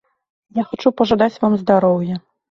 Я хачу пажадаць вам здароўя.